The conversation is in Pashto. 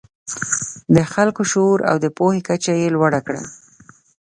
د خلکو شعور او د پوهې کچه یې لوړه کړه.